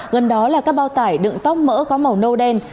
gần đó là các bao tải đựng tóc mỡ có màu nâu đen